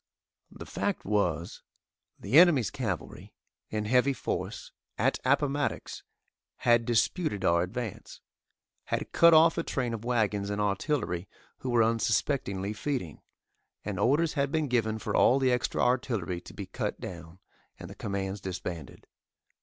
The fact was, the enemy's cavalry, in heavy force, at Appomattox, had disputed our advance had cut off a train of wagons and artillery who were unsuspectingly feeding, and orders had been given for all the extra artillery to be cut down, and the commands disbanded.